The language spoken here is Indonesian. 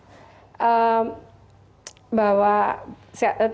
saya ingin mengucapkan bahwa saya sangat berharap